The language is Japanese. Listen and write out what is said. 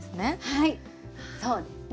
はいそうですね。